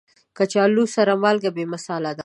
د کچالو سره مالګه بې مثاله ده.